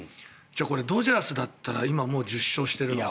これ、ドジャースだったら今１０勝しているなと。